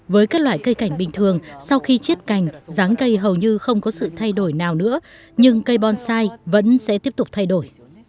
với các loại cây cảnh bình thường sau khi chiết cành ráng cây hầu như không có sự thay đổi nào nữa nhưng cây bonsai vẫn sẽ tiếp tục thay đổi